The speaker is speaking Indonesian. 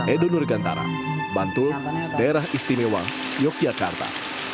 edo nurgantara bantul daerah istimewa yogyakarta